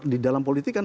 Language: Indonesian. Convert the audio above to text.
di dalam politik kan